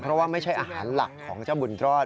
เพราะว่าไม่ใช่อาหารหลักของเจ้าบุญรอด